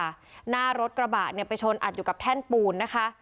หน้ารถกระบะเนี่ยไปชนอัดอยู่กับแท่นปูนนะคะ